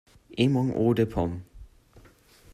Et mon eau de pommes!